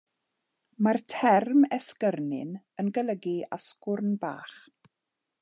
Mae'r term esgyrnyn yn golygu asgwrn bach.